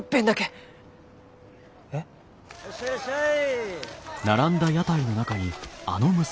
いらっしゃいいらっしゃい！